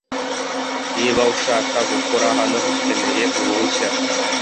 Niba ushaka gukora hano, ukeneye uruhushya.